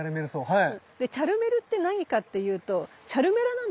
はい。